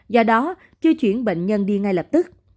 do đó chưa chuyển bệnh nhân đi ngay lập tức